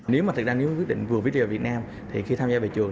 nếu mà thực ra nếu quyết định vừa viết ra việt nam thì khi tham gia bệ trường